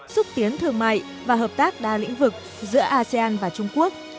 xúc tiến thương mại và hợp tác đa lĩnh vực giữa asean và trung quốc